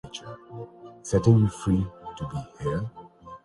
ماہرین کا خیال ہے کہ پھل اور سبزیاں انسانی خوراک کا لازمی جز ہونی چاہئیں